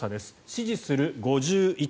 支持する、５１％。